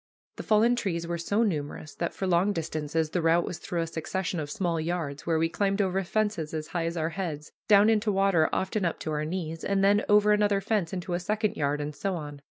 The fallen trees were so numerous that for long distances the route was through a succession of small yards, where we climbed over fences as high as our heads, down into water often up to our knees, and then over another fence into a second yard, and so on.